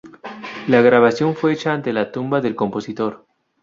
La grabación fue hecha ante la tumba del compositor.